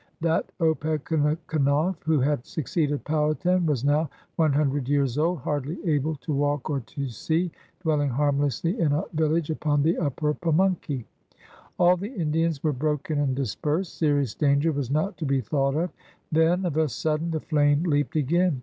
That Opechancanough who had succeeded Pow hatan was now one hundred years old, hardly able to walk or to see, dwelling harmlessly in a village upon the upper Pamimkey. All the Indians were broken and dispersed; serious danger was not to be thought of. Then, of a sudden, the flame leaped again.